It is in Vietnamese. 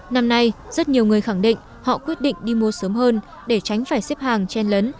năm nay rất nhiều người khẳng định họ quyết định đi mua sớm hơn để tránh phải xếp hàng chen lấn